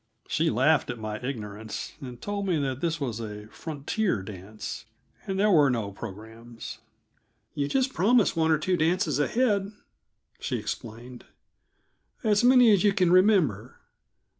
She laughed at my ignorance, and told me that this was a "frontier" dance, and there were no programs. "You just promise one or two dances ahead," she explained. "As many as you can remember.